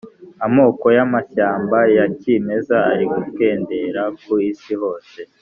amoko y’amashyamba ya kimeza ari gukendera ku isi hose